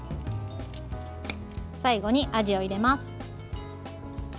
最後にあじを入れます。